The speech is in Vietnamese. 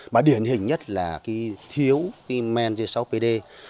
mà điển hình nhất là cái thiếu cái men dưới sáu pd